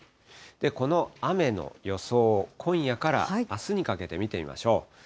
この雨の予想、今夜からあすにかけて見てみましょう。